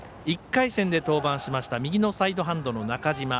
１回戦で登板しました右のサイドハンドの中嶋。